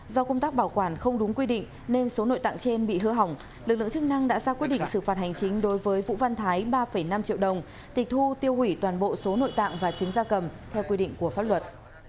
do công tác bảo quản không đúng quy định nên số nội tạng trên bị hư hỏng lực lượng chức năng đã ra quyết định xử phạt hành chính đối với vũ văn thái ba năm triệu đồng tịch thu tiêu hủy toàn bộ số nội tạng và trứng da cầm theo quy định của pháp luật